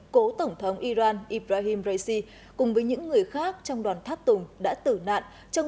cố tổng thống iran ibrahim raisi cùng với những người khác trong đoàn tháp tùng đã tử nạn trong